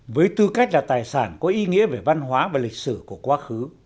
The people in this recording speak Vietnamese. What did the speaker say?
với tư cách là tài sản có ý nghĩa về văn hóa và lịch sử của quá khứ